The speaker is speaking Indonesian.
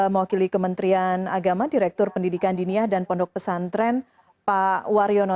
mewakili kementerian agama direktur pendidikan diniah dan pondok pesantren pak waryono